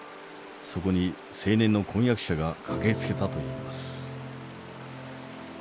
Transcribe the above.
そこに青年の婚約者が駆けつけたといいます。